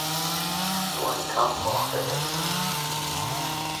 - Դու այնքան փոխվել ես…